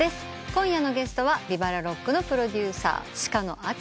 今夜のゲストはＶＩＶＡＬＡＲＯＣＫのプロデューサー鹿野淳さん。